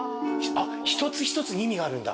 一つ一つに意味があるんだ。